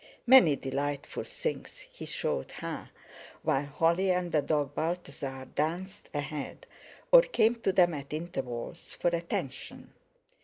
Many delightful things he showed her, while Holly and the dog Balthasar danced ahead, or came to them at intervals for attention.